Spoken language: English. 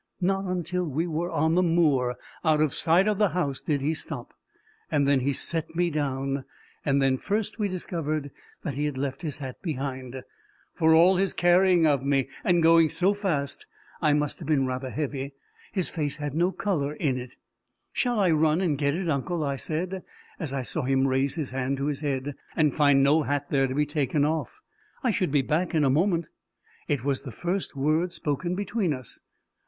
Not until we were on the moor, out of sight of the house, did he stop. Then he set me down; and then first we discovered that he had left his hat behind. For all his carrying of me, and going so fast and I must have been rather heavy his face had no colour in it. "Shall I run and get it, uncle?" I said, as I saw him raise his hand to his head and find no hat there to be taken off. "I should be back in a minute!" It was the first word spoken between us.